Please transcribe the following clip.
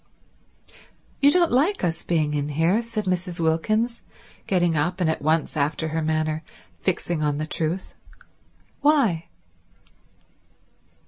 "You don't like us being in here," said Mrs. Wilkins, getting up and at once, after her manner, fixing on the truth. "Why?"